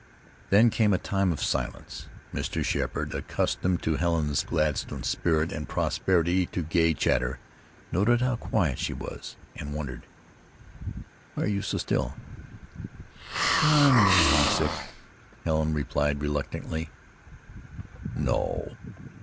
Then came a time of silence. Mr. Sheppard, accustomed to Helen's gladsome spirit and propensity to gay chatter, noted how quiet she was, and wondered. "Why are you so still?" "I'm a little homesick," Helen replied reluctantly. "No?